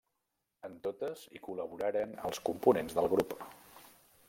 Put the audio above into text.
En totes hi col·laboraren els components del Grup.